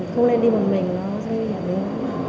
không nên đi một mình nó sẽ giảm đến tính mạng